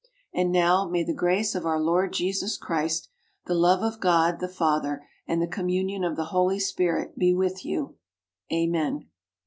And now may the grace of our Lord Jesus Christ, the love of God the Father, and the communion of the Holy Spirit be with you. Amen.